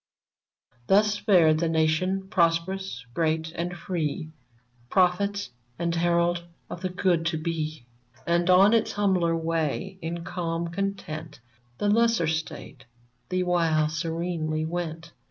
Thus fared the Nation, prosperous, great, and free, Prophet and herald of the good to be ; And on its humbler way, in calm content, The lesser State, the while, serenely went.